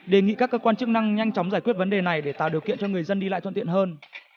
đề nghị các cơ quan chức năng nhanh chóng giải quyết vấn đề này để tạo điều kiện cho người dân đi lại thuận tiện hơn